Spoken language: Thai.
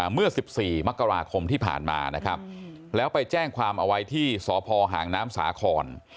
เมื่อ๑๔มกราคมที่ผ่านมานะครับแล้วไปแจ้งความเอาไว้ที่สพหางน้ำสาคร